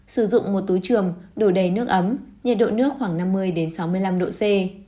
sử dụng một túi trường đủ đầy nước ấm nhiệt độ nước khoảng năm mươi sáu mươi năm độ c